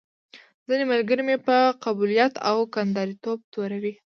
ځينې ملګري مې په قبيلويت او کنداريتوب توروي.